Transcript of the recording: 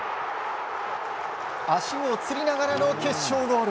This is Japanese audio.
足をつりながらの決勝ゴール。